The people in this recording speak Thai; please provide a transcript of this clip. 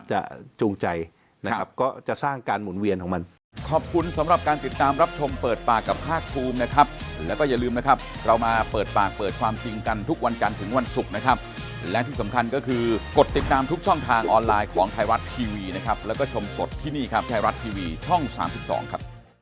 จูงใจนะครับก็จะสร้างการหมุนเวียนของมัน